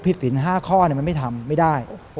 ผิดสินห้าข้อมันไม่ทำไม่ได้